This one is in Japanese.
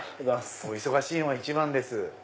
お忙しいのは一番です。